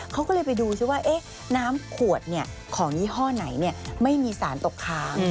เขาก็เลยไปดูซิว่าน้ำขวดของยี่ห้อไหนไม่มีสารตกค้าง